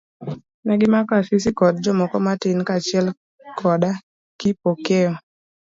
Negimako Asisi koda jomoko matin kaachiel koda Kipokeo.